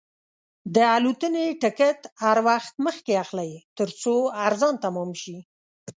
د الوتنې ټکټ هر وخت مخکې اخلئ، ترڅو ارزان تمام شي.